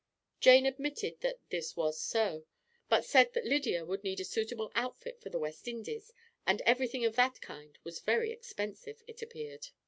Jane admitted that this was so, but said that Lydia would need a suitable outfit for the West Indies, and everything of that kind was very expensive, it appeared.